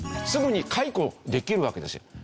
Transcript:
すぐに解雇できるわけですよ。